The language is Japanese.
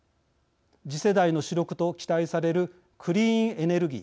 次世代の主力と期待されるクリーンエネルギー。